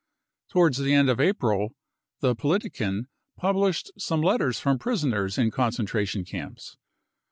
Towards the end of April the Politiken published some letters from prisoners in concentration camps.